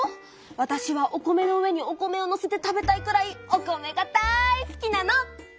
わたしはお米の上にお米をのせて食べたいくらいお米がだい好きなの！